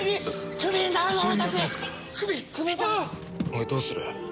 おいどうする？